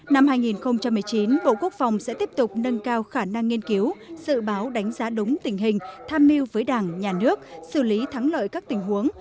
năm hai nghìn một mươi chín bộ quốc phòng sẽ tiếp tục nâng cao khả năng nghiên cứu dự báo đánh giá đúng tình hình tham mưu với đảng nhà nước xử lý thắng lợi các tình huống